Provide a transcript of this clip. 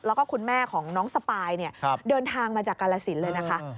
แล้วก็คุณแม่ของน้องสปายเดินทางมาจากกาลสินเลยนะคะ